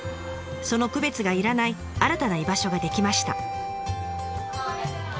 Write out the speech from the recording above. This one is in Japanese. その区別が要らない新たな居場所が出来ました。